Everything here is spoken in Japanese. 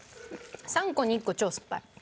「３コに１コ超すっぱい！」